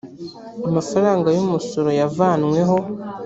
amafaranga y umusoro yavanyweho .